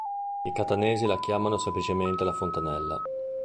I catanesi la chiamano semplicemente la "Fontanella".